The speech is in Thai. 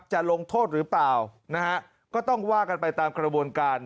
จะลงโทษหรือเปล่านะฮะก็ต้องว่ากันไปตามกระบวนการ